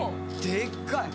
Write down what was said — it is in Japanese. でっかい！